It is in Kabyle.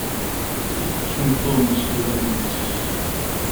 Itettuy Tom ssiwan-ines.